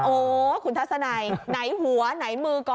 โอ้คุณทัศนัยไหนหัวไหนมือก่อน